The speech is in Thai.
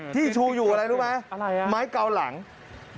ที่ชูอยู่อะไรรู้ไหมไม้เก่าหลังนะฮะอะไรนะ